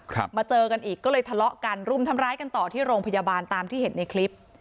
มาเจอกันอีกก็เลยทะเลาะกันรุมทำร้ายกันต่อที่โรงพยาบาลตามที่เห็นในคลิป